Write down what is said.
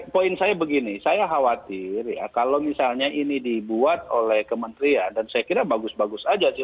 poin saya begini saya khawatir ya kalau misalnya ini dibuat oleh kementerian dan saya kira bagus bagus aja sih